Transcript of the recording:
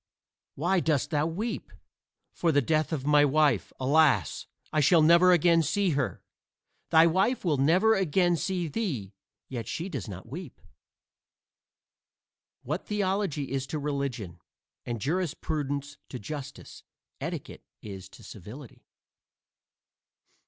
"Why dost thou weep?" "For the death of my wife. Alas! I shall never again see her!" "Thy wife will never again see thee, yet she does not weep." What theology is to religion and jurisprudence to justice, etiquette is to civility.